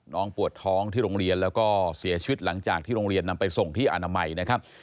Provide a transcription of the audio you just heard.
น้องปวดท้องที่โรงเรียนแล้วก็เสียชีวิตหลังจากที่โรงเรียนนำไปส่งที่อนามัยนะครับ